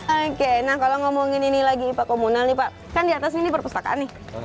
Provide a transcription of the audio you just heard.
oke nah kalau ngomongin ini lagi ipa komunal nih pak kan di atas ini perpustakaan nih